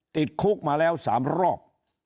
ติดคุกมาแล้ว๓รอบ